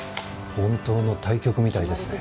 本当の対局みたいですね。